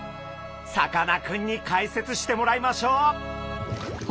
さかなクンに解説してもらいましょう。